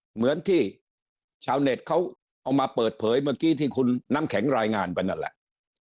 เหมือนที่ชาวเน็ตเขาเอามาเปิดเผยเมื่อกี้ที่คุณน้ำแข็งรายงานไปนั่นแหละ